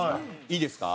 いいですか？